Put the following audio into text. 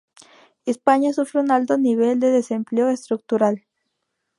España sufre un alto nivel de desempleo estructural.